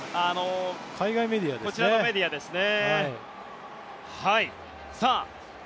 こちらのメディアですね。